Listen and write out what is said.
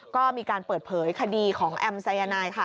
ก็มีการเปิดเผยคดีของแอมสายนายค่ะ